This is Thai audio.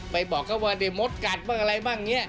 ไปบอกเขาว่าเดี๋ยวมดกัดบ้างอะไรบ้างนี่